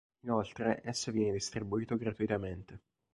Inoltre, esso viene distribuito gratuitamente.